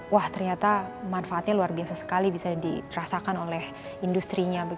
wah ternyata manfaatnya luar biasa sekali bisa dirasakan oleh industri nya